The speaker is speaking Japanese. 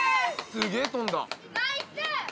すげえ飛んだ。